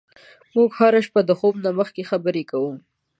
موږ هره شپه د خوب نه مخکې خبرې کوو.